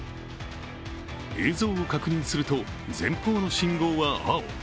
映像を確認すると、前方の信号は青。